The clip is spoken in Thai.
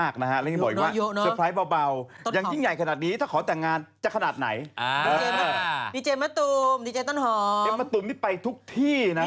ขนาดไหนอ่าดีเจมส์ดีเจมส์ต้นหอมดีเจมส์ต้นหอมนี่ไปทุกที่น่ะ